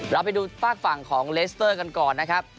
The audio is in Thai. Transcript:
เราไปดูฝากฝั่งของเลสเตอร์กันก่อนนะครับ